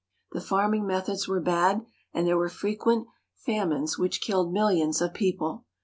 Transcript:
The farming methods were bad, and there were frequent famines which killed millions of people.